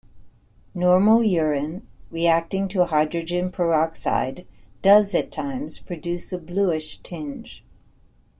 Normal urine reacting to hydrogen peroxide does at times produce a bluish tinge.